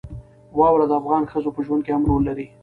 واوره د افغان ښځو په ژوند کې هم رول لري.